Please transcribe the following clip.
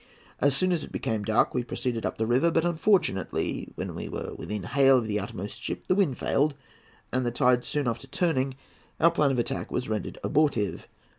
As soon as it became dark we proceeded up the river; but, unfortunately, when we were within hail of the outermost ship, the wind failed, and, the tide soon after turning, our plan of attack was rendered abortive.